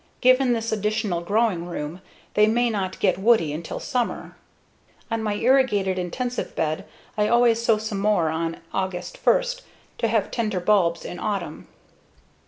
Given this additional growing room, they may not get woody until midsummer. On my irrigated, intensive bed I always sow some more on August 1, to have tender bulbs in autumn.